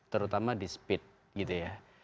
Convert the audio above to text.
terutama di speed gitu ya